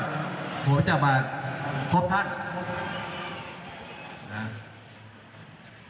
ขอพระราชมาพบทัศน์